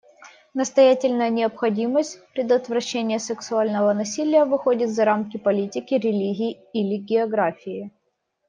Настоятельная необходимость предотвращения сексуального насилия выходит за рамки политики, религии или географии.